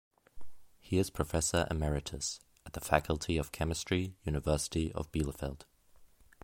He is Professor Emeritus at the Faculty of Chemistry, University of Bielefeld.